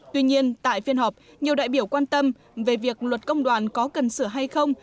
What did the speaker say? tuy nhiên tại phiên họp nhiều đại biểu quan tâm về việc luật công đoàn có cần sửa hay không